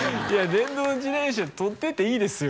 電動自転車とってっていいですよ